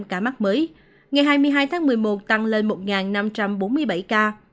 ca mắc mới ngày hai mươi hai tháng một mươi một tăng lên một năm trăm bốn mươi bảy ca